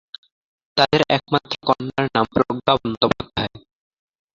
তাদের একমাত্র কন্যার নাম প্রজ্ঞা বন্দ্যোপাধ্যায়।